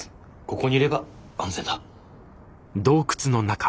ここにいれば安全だ。